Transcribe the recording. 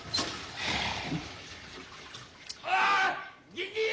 銀次！